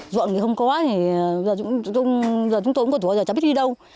dọn thì không có giờ chúng tôi cũng còn thua giờ chẳng biết đi đâu